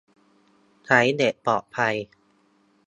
ใช้เน็ตปลอดภัย